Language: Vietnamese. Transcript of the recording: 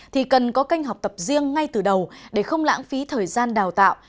thì cần có kênh học tập riêng ngay từ đầu để không lãng phí thời gian đào tạo